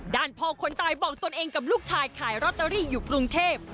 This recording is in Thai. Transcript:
ด้านพ่อคนตายบอกตนเองกับลูกชายขายลอตเตอรี่อยู่กรุงเทพ